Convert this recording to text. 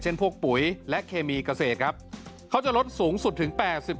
พวกปุ๋ยและเคมีเกษตรครับเขาจะลดสูงสุดถึง๘๐